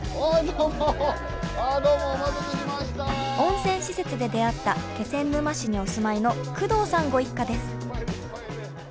温泉施設で出会った気仙沼市にお住まいの工藤さんご一家です。